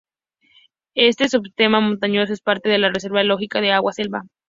Este subsistema montañoso, es parte de la reserva ecológica de Agua Selva.